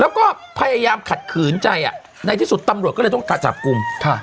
แล้วก็พยายามขัดขืนใจอ่ะในที่สุดตำรวจก็เลยต้องจับกลุ่มค่ะ